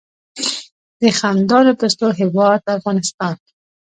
د خندانو پستو هیواد افغانستان.